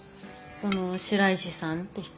その白石さんって人。